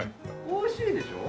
おいしいでしょ？